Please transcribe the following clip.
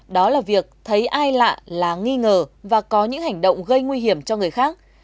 đó là việc thấy ai lạ là nghi ngờ và có những hành động gây nguy hiểm cho người khác